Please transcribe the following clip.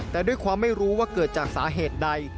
แต่ด้วยความไม่รู้ว่าเกิดจากสาเหตุใด